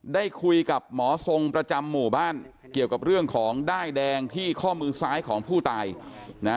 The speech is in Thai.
ได้คุยกับหมอทรงประจำหมู่บ้านเกี่ยวกับเรื่องของด้ายแดงที่ข้อมือซ้ายของผู้ตายนะฮะ